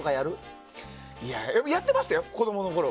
やってましたよ、子供のころ。